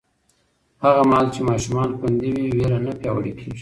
هغه مهال چې ماشومان خوندي وي، ویره نه پیاوړې کېږي.